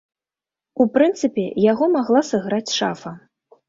У прынцыпе, яго магла сыграць шафа.